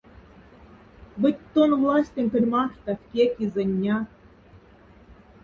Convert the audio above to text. Вдь тон властеньконь мархта фкя кизоннят.